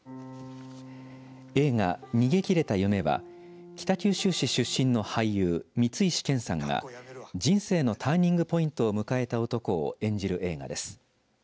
映画、逃げきれた夢は北九州市出身の俳優光石研さんが人生のターニングポイントを迎えた男を演じる映画です。